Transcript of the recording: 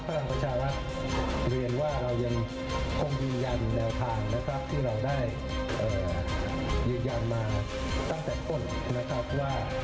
พลังประชาลักษณ์เรียนว่าเรายังคงยืนยันแนวทางว่าถ้าได้ยืนยันมามาตั้งแต่